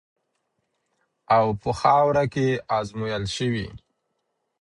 او په خاوره کې ازمویل شوې.